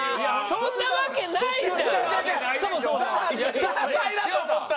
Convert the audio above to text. そんなわけないでしょ！